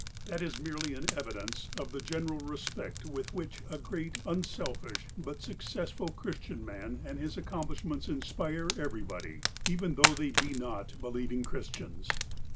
That is merely an evidence of the general respect with which a great, unselfish but success ful Christian man and his accomplishments inspire every body, even though they be not believing Christians.